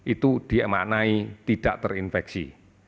itu diemaknai tidak terinfeksi